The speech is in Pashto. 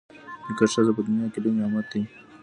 نېکه ښځه په دنیا کي لوی نعمت دی.